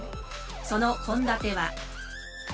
その献立は？